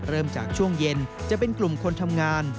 เริ่มจากช่วงเย็นจะเป็นกลุ่มคนทำงาน